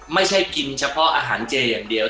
ไม่ใช่กินเฉพาะอาหารเจอย่างเดียว